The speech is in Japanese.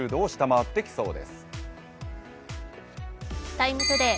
「ＴＩＭＥ，ＴＯＤＡＹ」